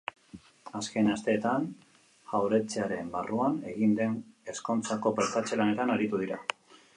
Azken asteetan, jauretxearen barruan egin den ezkontzako prestatze-lanetan aritu dira.